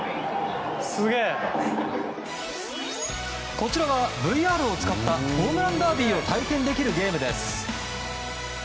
こちらはＶＲを使ったホームランダービーを体験できるゲームです。